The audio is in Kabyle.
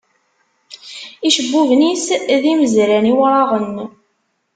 Icebbuben-is, d imezran iwraɣen.